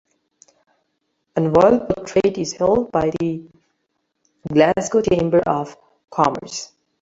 An oil portrait is held by the Glasgow Chamber of Commerce.